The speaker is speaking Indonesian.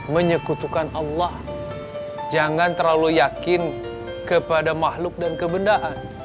menyekutukan allah jangan terlalu yakin kepada mahluk dan kebenaran